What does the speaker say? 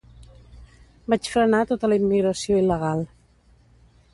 Vaig frenar tota la immigració il·legal.